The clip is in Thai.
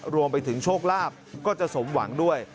รวมไปถึงโชคลาภก็จะสมหวังด้วย